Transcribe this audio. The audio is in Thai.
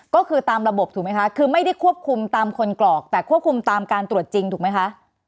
ก็คือตามระบบถูกไหมคะคือไม่ได้ควบคุมตามคนกรอกแต่ควบคุมตามการตรวจจริงถูกไหมคะ